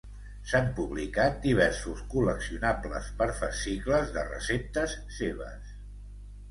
S'han publicat diversos col·leccionables per fascicles de receptes seves.